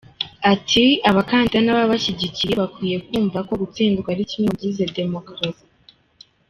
Ati “Abakandida n’ababashyigikiye bakwiye kumva ko gutsindwa ari kimwe mu bigize demokarasi.